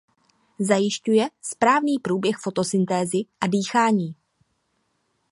Zajišťuje správný průběh fotosyntézy a dýchání.